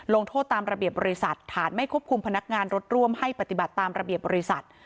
โทษตามระเบียบบริษัทฐานไม่ควบคุมพนักงานรถร่วมให้ปฏิบัติตามระเบียบบริษัท